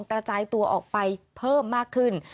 กระจายตัวออกไปเพิ่มมากขึ้น